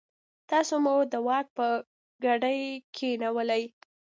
تاسو مو د واک په ګدۍ کېنولئ.